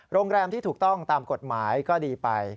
โรงแรมที่ถูกต้องตามกฎหมายก็ดีไป